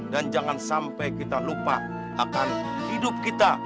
dan jangan sampai kita lupa akan hidup kita